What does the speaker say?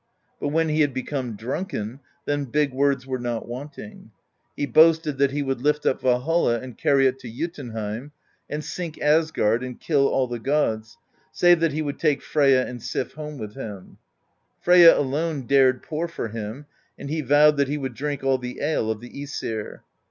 But when he had become drunken, then big words were not wanting: he boasted that he would lift up Valhall and carry it to Jotunheim, and sink Asgard and kill all the gods, save that he would take Freyja and Sif home with him. Freyja alone dared pour for him; and he vowed that he would drink all the ale of the iEsir.